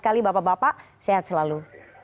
sekali bapak bapak sehat selalu